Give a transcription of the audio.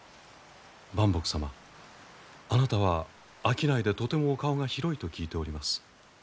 伴卜様あなたは商いでとてもお顔が広いと聞いております。